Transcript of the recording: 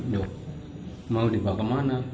duh mau dibawa kemana